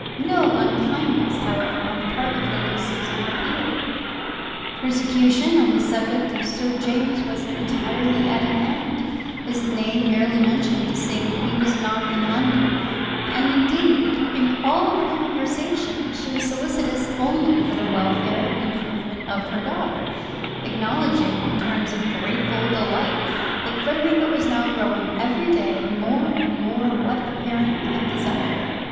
No unkindness, however, on the part of Lady Susan appeared. Persecution on the subject of Sir James was entirely at an end; his name merely mentioned to say that he was not in London; and indeed, in all her conversation, she was solicitous only for the welfare and improvement of her daughter, acknowledging, in terms of grateful delight, that Frederica was now growing every day more and more what a parent could desire.